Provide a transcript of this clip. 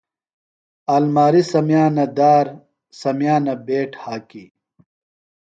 آلماریۡ سمیانہ دار، سمیانہ بیٹ ہاکی